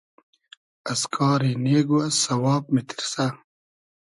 از کاری نېگ و از سئواب میتیرسۂ